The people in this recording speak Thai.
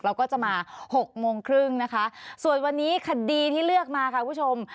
เราก็จะมาหกโมงครึ่งนะคะส่วนวันนี้คดีที่เลือกมาค่ะคุณผู้ชม